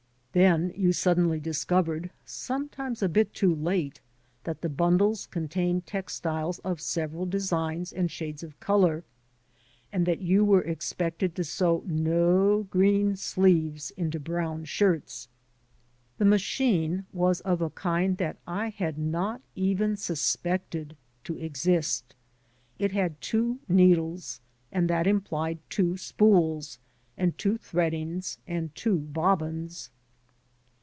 Then you suddenly discovered — ^sometimes a bit too late — ^that the bundles contained textiles of several designs and shades of color, and that you were expected to sew no green sleeves into brown shirts. The machine was of a kind that I had not even suspected to exist. It had two needles, and that implied two spools and two threadings and two bobbins.